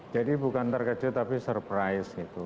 jadi bukan terkejut tapi surprise gitu